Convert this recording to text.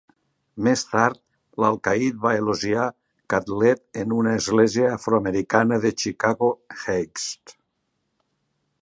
Més tard l'alcaid va elogiar Catlett en una església afroamericana de Chicago Heights.